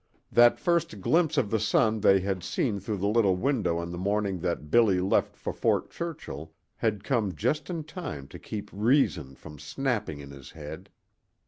That first glimpse of the sun they had seen through the little window on the morning that Billy left for Fort Churchill had come just in time to keep reason from snapping in his head.